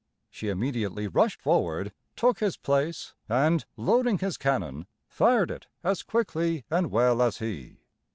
She immediately rushed forward, took his place, and, loading his cannon, fired it as quickly and well as he.